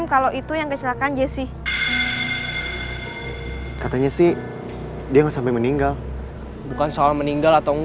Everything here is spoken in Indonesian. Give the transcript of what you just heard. kalo orang tua gue tau pasti dia bakal kecewa banget sama gue